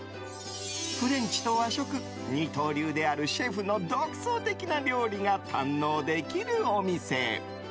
フレンチと和食二刀流であるシェフの独創的な料理が堪能できるお店。